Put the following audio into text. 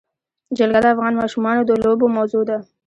جلګه د افغان ماشومانو د لوبو موضوع ده.